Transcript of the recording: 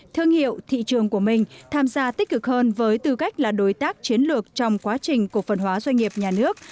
thương hiệu thị trường của mình tham gia tích cực hơn với tư cách là đối tác chiến lược trong quá trình cổ phần hóa doanh nghiệp nhà nước